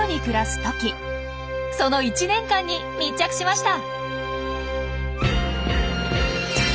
その１年間に密着しました。